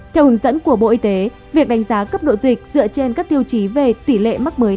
theo hướng dẫn của bộ y tế việc đánh giá cấp độ dịch dựa trên các tiêu chí về tỷ lệ mắc mới